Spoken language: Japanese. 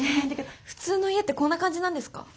えっ普通の家ってこんな感じなんですか？